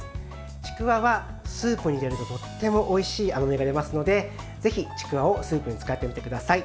ちくわはスープに入れるととってもおいしい油が出ますのでぜひ、ちくわをスープに使ってみてください。